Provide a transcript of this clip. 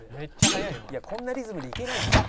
いやこんなリズムでいけないよ。